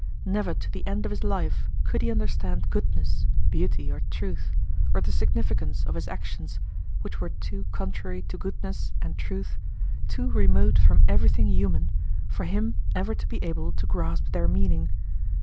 Never to the end of his life could he understand goodness, beauty, or truth, or the significance of his actions which were too contrary to goodness and truth, too remote from everything human, for him ever to be able to grasp their meaning.